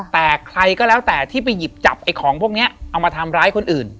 แต่ใครก็แล้วแต่ที่ไปหยิบจับไอ้ของพวกนี้เอามาทำร้ายคนอื่น